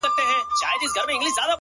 لمن دي نيسه چي په اوښكو يې در ډكه كړمه ـ